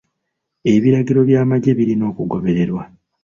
Ebiragiro by'amagye birina okugobererwa.